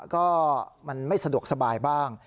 ก็มันไม่สะดวกสบายบ้าง